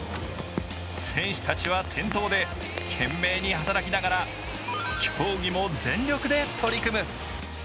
選手たちは店頭で懸命に働きながら競技も全力で取り組む。